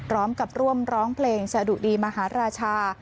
ร้องร้องเพลงสะดุดีมหาราชา